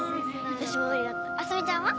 私も無理だった麻美ちゃんは？